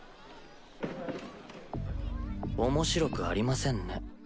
面白くありませんね。